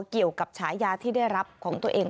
เกี่ยวกับฉายาที่ได้รับของตัวเอง